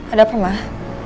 ada apa mah